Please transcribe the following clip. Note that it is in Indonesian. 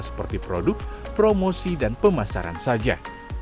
seperti produk promosi dan pemasaran saja